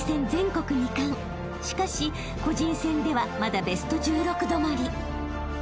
［しかし個人戦ではまだベスト１６止まり］